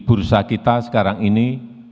bursa kita sekarang ini